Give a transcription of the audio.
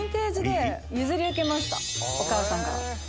お母さんから。